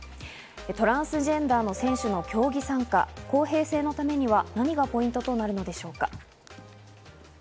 トランスジェンダーの選手の競技参加、公平性のためには何がポイントとなるのでしょうか？